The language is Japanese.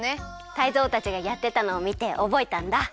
タイゾウたちがやってたのをみておぼえたんだ。